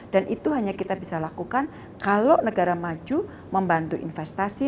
dan itu hanya kita bisa lakukan kalau negara maju membantu investasi